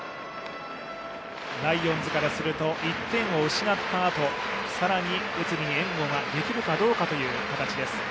ライオンズからすると、１点を失ったあと、更に内海に援護ができるかどうかという形です。